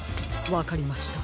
わかりました。